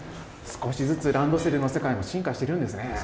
少しずつランドセルの世界も進化してるんですね。